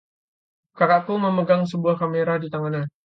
Kakakku memegang sebuah kamera di tangannya.